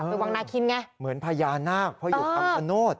เป็นวังนาคินไงเหมือนพญานาคพ่อหยุดคำชโนธ